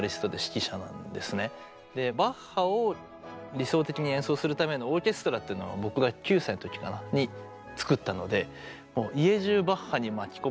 バッハを理想的に演奏するためのオーケストラっていうのを僕が９歳の時かなに作ったので家じゅうバッハに巻き込まれておりました。